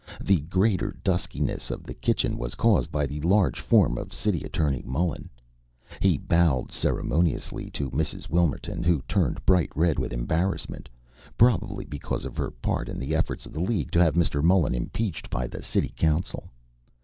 The greater duskiness of the kitchen was caused by the large form of City Attorney Mullen. He bowed ceremoniously to Mrs. Wilmerton, who turned bright red with embarrassment, probably because of her part in the efforts of the League to have Mr. Mullen impeached by the City Council.